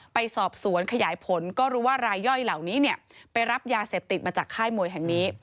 ไปสอบสวนขยายผลก็รู้ว่ารายย่อยเหล่านี้ไปรับยาเสพติดมาจากค่ายมวยแห่งนี้